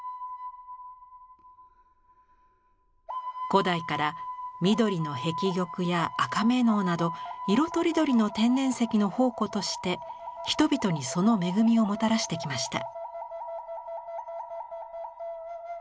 古代から緑の碧玉や赤瑪瑙など色とりどりの天然石の宝庫として人々にその恵みをもたらしてきました。